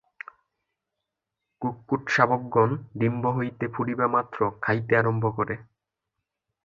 কুক্কুটশাবকগণ ডিম্ব হইতে ফুটিবামাত্র খাইতে আরম্ভ করে।